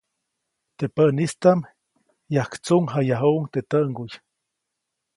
Teʼ päʼnistaʼm, yajktsuʼŋjayajuʼuŋ teʼ täʼŋguy.